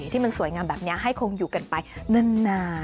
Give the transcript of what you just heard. ที่มันสวยงามแบบนี้ให้คงอยู่กันไปนาน